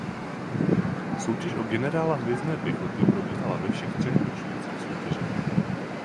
Soutěž o „generála hvězdné pěchoty“ probíhala ve všech třech ročnících soutěže.